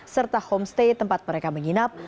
serta homestay tempat mereka menginap